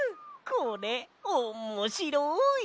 これおもしろい！